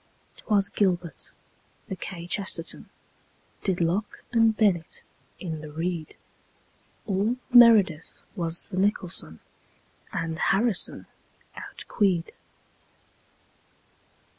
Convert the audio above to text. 'Twas gilbert. The kchesterton Did locke and bennett in the reed. All meredith was the nicholson, And harrison outqueed.